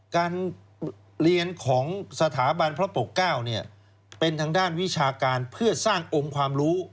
การเรียนของสถาบันพระปกเก้าเนี่ยเป็นทางด้านวิชาการเพื่อสร้างองค์ความรู้